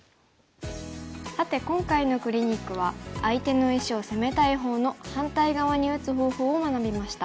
さて今回のクリニックは相手の石を攻めたい方の反対側に打つ方法を学びました。